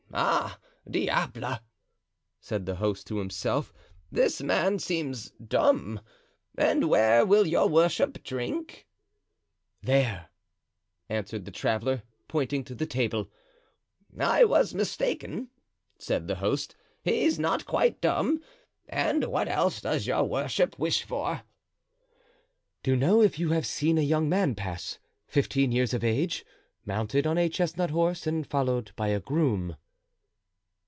"Ah, diable!" said the host to himself; "this man seems dumb. And where will your worship drink?" "There," answered the traveler, pointing to the table. "I was mistaken," said the host, "he's not quite dumb. And what else does your worship wish for?" "To know if you have seen a young man pass, fifteen years of age, mounted on a chestnut horse and followed by a groom?"